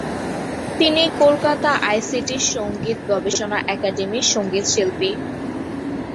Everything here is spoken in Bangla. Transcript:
তিনি কলকাতার আইটিসি সংগীত গবেষণা একাডেমির সংগীতশিল্পী।